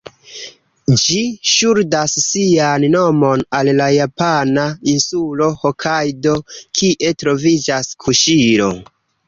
Ĝi ŝuldas sian nomon al la japana insulo Hokajdo, kie troviĝas Kuŝiro.